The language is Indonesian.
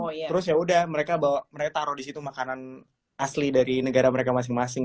oh ya udah mereka bawa mereka taruh disitu makanan asli dari negara mereka masing masing